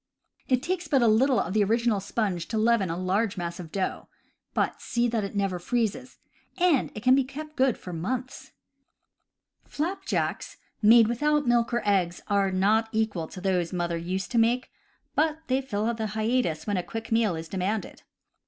It takes but little of the original sponge to leaven a large mass of dough (but see that it never freezes), and it can be kept good for months. Flapjacks made without milk or eggs are not equal to those that mother used to make, but they fill the hiatus when a quick meal is demanded.